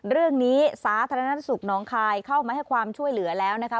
เรื่องนี้สาธารณสุขน้องคายเข้ามาให้ความช่วยเหลือแล้วนะคะ